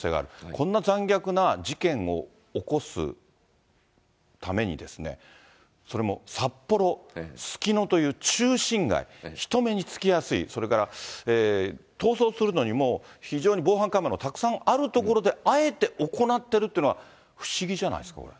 こんな残虐な事件を起こすために、それも札幌、すすきのという中心街、人目につきやすい、それから逃走するのにもう非常に防犯カメラのたくさんある所であえて行ってるというのは、不思議じゃないですか、これ。